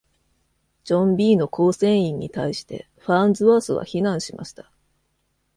ジョン B の構成員に対してファーンズワースは非難しました。